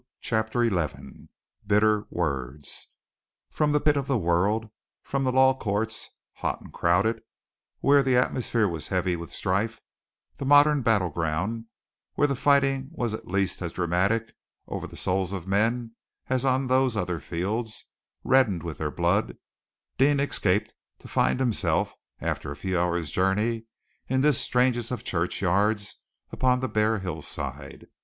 CHAPTER XI BITTER WORDS From the pit of the world from the Law Courts, hot and crowded, where the atmosphere was heavy with strife, the modern battleground, where the fighting was at least as dramatic over the souls of men as on those other fields, reddened with their blood, Deane escaped to find himself, after a few hours' journey, in this strangest of churchyards upon the bare hillside.